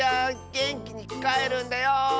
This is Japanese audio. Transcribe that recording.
げんきにかえるんだよ！